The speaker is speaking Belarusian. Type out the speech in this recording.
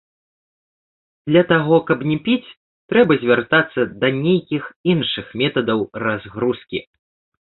Для таго каб не піць, трэба звяртацца да нейкіх іншых метадаў разгрузкі.